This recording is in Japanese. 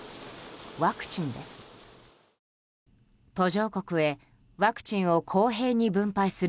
ワクチンです。